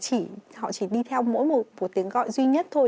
chỉ họ chỉ đi theo mỗi một tiếng gọi duy nhất thôi